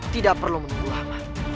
tidak perlu menunggu lama